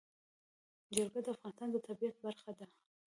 جلګه د افغانستان د طبیعت برخه ده.